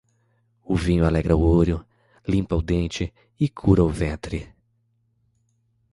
O vinho alegra o olho, limpa o dente e cura o ventre.